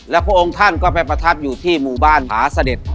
แล้วพระองค์ท่านก็ไปประทับอยู่ที่หมู่บ้านผาเสด็จ